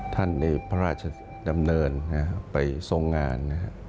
ท่านได้พระราชดำเนินไปทรงงาน